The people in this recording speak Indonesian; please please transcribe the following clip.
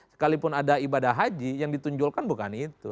sekalipun ada ibadah haji yang ditunjukkan bukan itu